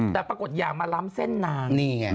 แต่ปรากฏอย่ามาล้ำเส้นนางนี่ไง